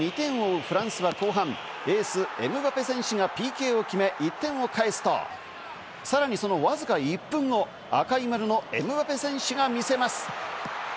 一方、２点を追うフランスは後半、エース、エムバペ選手がＰＫを決め、１点を返すと、さらにそのわずか１分後、赤い丸のエムバペ選手が見せます。